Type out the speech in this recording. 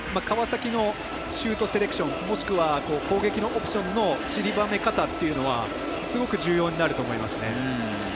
川崎のシュートセレクションもしくは攻撃のオプションのちりばめ方っていうのはすごく重要になると思いますね。